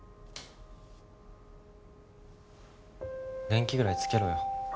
電気ぐらいつけろよ